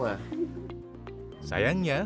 sayangnya para perajin ini tidak bisa menembus pasar ekspor